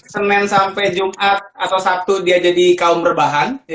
senin sampai jumat atau sabtu dia jadi kaum berbahan